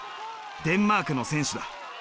デンマークの選手だ。